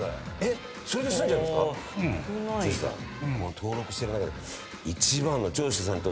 登録している中で。